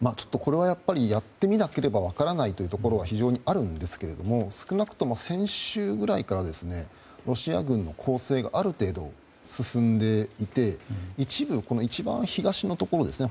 やってみなくちゃ分からないというところはあると思うんですけど少なくとも先週くらいからロシア軍の攻勢がある程度進んでいて一部、一番東のところですね